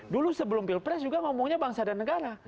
dulu sebelum pilpres juga ngomongnya bangsa dan negara